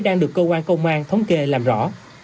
đang được cơ quan công an thống kê làm rõ